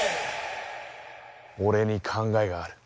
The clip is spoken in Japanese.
俺に考えがある。